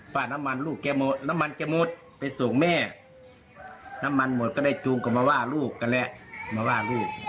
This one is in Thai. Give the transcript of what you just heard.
พูดกลาร์อะไรกันก็ไม่รู้ล่ะ